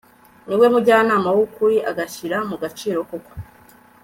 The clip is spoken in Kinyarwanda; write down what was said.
ni we mujyanama w'ukuri, agashyira mu gaciro koko